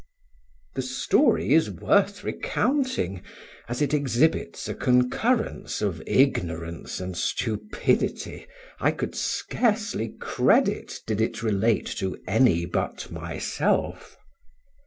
The story is worth recounting, as it exhibits a concurrence of ignorance and stupidity I should scarcely credit, did it relate to any but myself.